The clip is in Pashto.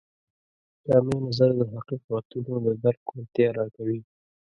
جامع نظر د حقیقتونو د درک وړتیا راکوي.